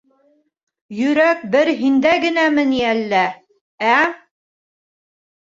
Йөрәк бер һиндә генәме ни әллә, ә?!